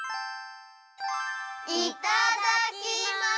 いただきます。